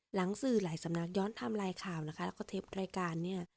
หลังสื่อหลายสำนักย้อนไทม์ไลน์ข่าวนะคะแล้วก็เทปรายการเนี่ย